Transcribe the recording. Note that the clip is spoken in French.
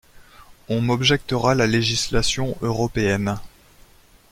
On m’objectera la législation européenne.